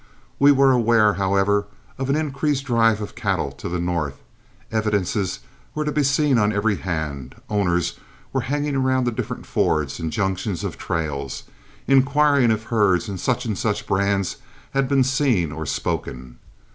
We were aware, however, of an increased drive of cattle to the north; evidences were to be seen on every hand; owners were hanging around the different fords and junctions of trails, inquiring if herds in such and such brands had been seen or spoken.